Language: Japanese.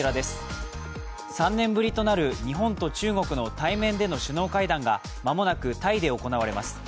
３年ぶりとなる日本と中国の対面での首脳会談が間もなくタイで行われます。